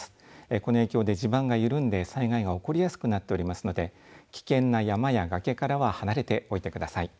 この影響で地盤が緩んで災害が起こりやすくなっておりますので危険な山や崖からは離れておいてください。